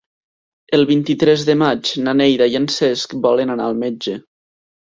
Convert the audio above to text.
El vint-i-tres de maig na Neida i en Cesc volen anar al metge.